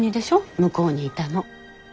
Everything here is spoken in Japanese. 向こうにいたの。